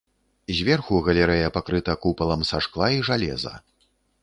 Зверху галерэя пакрыта купалам са шкла і жалеза.